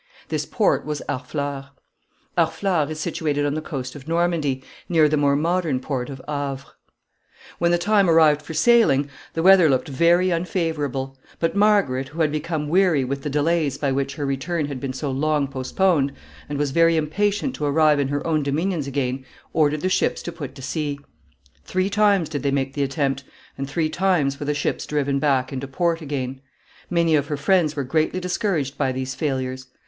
This port was Harfleur. Harfleur is situated on the coast of Normandy, near the more modern port of Havre. [Sidenote: Wind contrary.] [Sidenote: Supposed witchcraft.] When the time arrived for sailing, the weather looked very unfavorable; but Margaret, who had become weary with the delays by which her return had been so long postponed, and was very impatient to arrive in her own dominions again, ordered the ships to put to sea. Three times did they make the attempt, and three times were the ships driven back into port again. Many of her friends were greatly discouraged by these failures.